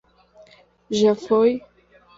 Já foi?